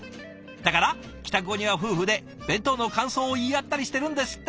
だから帰宅後には夫婦で弁当の感想を言い合ったりしてるんですって。